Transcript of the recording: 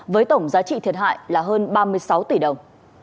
với tổng giá trị thiệt hại là hơn ba mươi sáu tỷ đồng